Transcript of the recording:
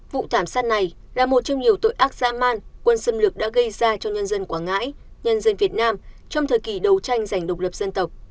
vụ thảm sát này là một trong nhiều tội ác dã man quân xâm lược đã gây ra cho nhân dân quảng ngãi nhân dân việt nam trong thời kỳ đấu tranh giành độc lập dân tộc